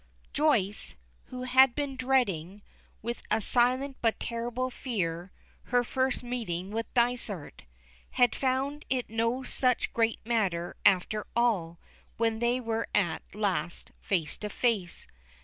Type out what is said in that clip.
Joyce, who had been dreading, with a silent but terrible fear, her first meeting with Dysart, had found it no such great matter after all when they were at last face to face.